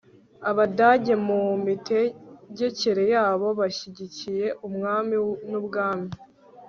abadage, mu mitegekere yabo, bashyigikiye umwami n'ubwami